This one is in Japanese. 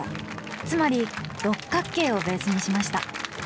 つまり六角形をベースにしました。